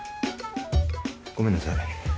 ごめんなさい。